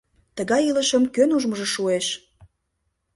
Тыгай илышым кӧн ужмыжо шуэш?